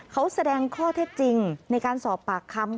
เขาแสดงข้อเท็จจริงในการสอบปากคำ